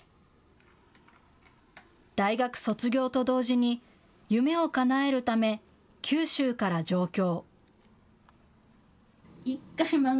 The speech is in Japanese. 大学卒業と同時に夢をかなえるため九州から上京。